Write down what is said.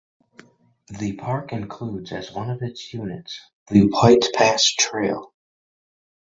The park includes as one of its units the White Pass Trail.